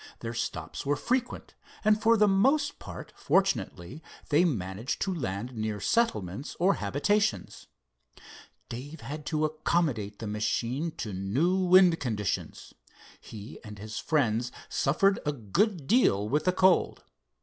Their stops were frequent, and for the most part fortunately they managed to land near settlements or habitations. Dave had to accommodate the machine to new wind conditions. He and his friends suffered a good deal with the cold.